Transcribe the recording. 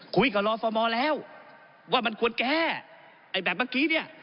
คุยกับรอฟอร์มอลแล้วว่ามันควรแก้ไอ้แบบเมื่อกี้เนี่ย